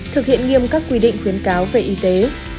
thực hiện nghiêm các quy định khuyến cáo về y tế